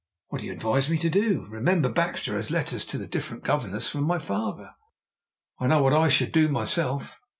"What do you advise me to do? Remember, Baxter has letters to the different Governors from my father." "I know what I should do myself!"